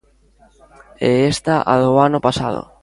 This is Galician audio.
E esta a do ano pasado.